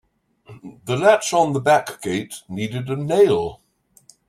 The latch on the back gate needed a nail.